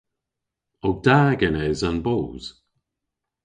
O da genes an boos?